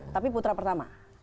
tapi putra pertama